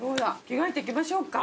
着替えて行きましょうか。